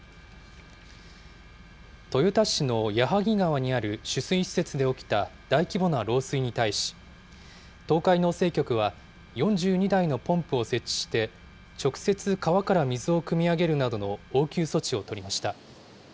豊田市の矢作川にある取水施設で起きた大規模な漏水に対し、東海農政局は、４２台のポンプを設置して、直接、川から水をくみ上げるなどの応急措置を取りました。